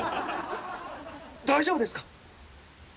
大丈夫ですか？